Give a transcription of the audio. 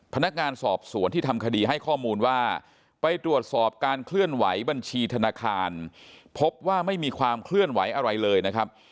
พนักงานสอบสวนที่ทำคดีให้ข้อมูลว่าไปตรวจสอบการเคลื่อนไหวบัญชีธนาคารพบว่าไม่มีความเคลื่อนไหวอะไรเลยนะครับ